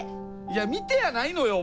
いや「見て」やないのよ